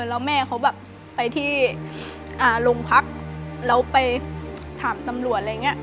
แล้วแม่เขาแบบไปที่โรงพักแล้วไปถามตำรวจอะไรอย่างนี้